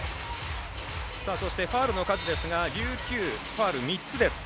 そしてファウルの数ですが琉球、ファウル３つです。